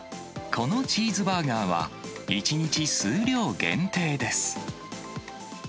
このチーズバーガーは、１日数量限定です。